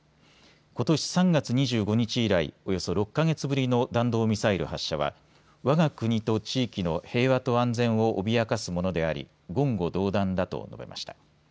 ことし３月２５日以来、およそ６か月ぶりの弾道ミサイル発射はわが国と地域の平和と安全を脅かすものであり、言語道断だと述べました。